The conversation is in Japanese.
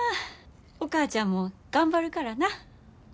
お母ちゃんも頑張るからな。